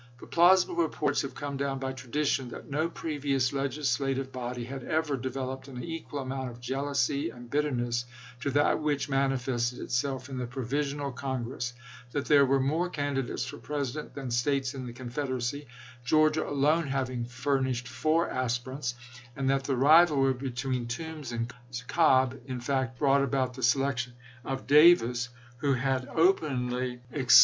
But plausible reports have come down by tradition, that no previous legislative body had ever developed an equal amount of jealousy and bitterness to that which manifested itself in the Provisional Con gress; that there were more candidates for Presi dent than States in the Confederacy, Georgia alone having furnished four aspirants, and that the ri valry between Toombs and Cobb in fact brought ^about the selection of Davis, who had openly ex 204 ABRAHAM LINCOLN chap. xiii.